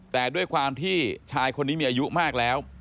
แต่ด้วยความที่ชายคนนี้มีอายุมากแล้ว